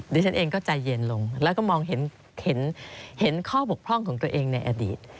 ดิฉันเองก็ใจเย็นลงแล้วก็มองเห็นข้อบกพร่องของตัวเองในอดีต